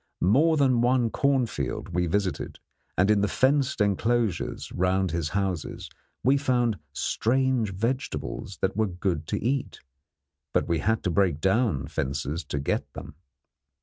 More than one cornfield we visited, and in the fenced enclosures round his houses we found strange vegetables that were good to eat; but we had to break down fences to get them.